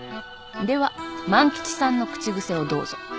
では万吉さんの口癖をどうぞ。